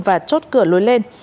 và chốt cửa lối lên